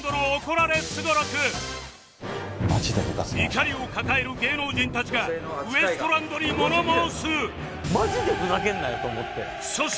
怒りを抱える芸能人たちがウエストランドに物申す！